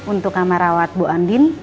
untuk kamar rawat bu andin